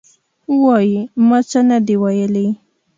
وایي: ما څه نه دي ویلي.